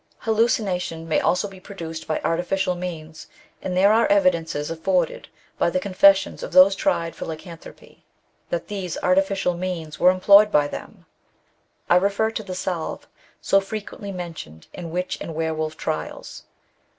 Hallucination may also be produced by artificial means, and there are evidences afforded by the confes sions of those tried for lycanthropy, that these artificial NATUBAL CAUSES OF LYCANTHROPY. 147 means were employed by them. • I refer to the salve so frequently mentioned in witch and were wolf trials.